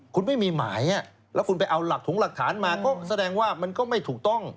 คุณไม่มีหมายแล้วคุณไปเอาหลักถงหลักฐานมาก็แสดงว่ามันก็ไม่ถูกต้อง